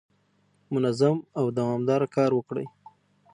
منظم او دوامداره کار وکړئ.